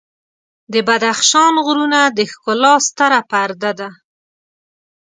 د بدخشان غرونه د ښکلا ستره پرده ده.